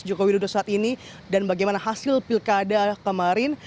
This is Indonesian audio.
jokowi sudah saat ini dan bagaimana hasil pilkada kemarin